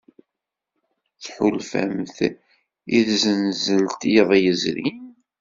Tḥulfamt i tzenzelt iḍ yezrin?